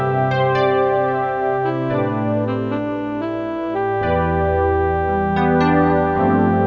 sekarang udah bebas ya samseng